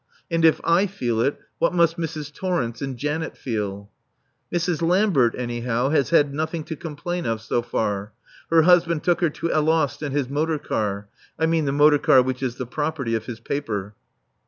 And if I feel it, what must Mrs. Torrence and Janet feel? Mrs. Lambert, anyhow, has had nothing to complain of so far. Her husband took her to Alost in his motor car; I mean the motor car which is the property of his paper.